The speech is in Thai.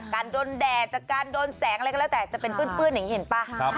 การโดนแดดจากการโดนแสงอะไรก็แล้วแต่จะเป็นปื้นอย่างนี้เห็นป่ะ